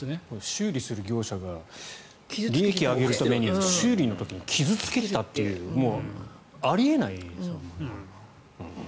修理する業者が利益を上げるために修理の時に傷をつけていたというあり得ないですよね。